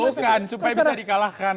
bukan supaya bisa di kalahkan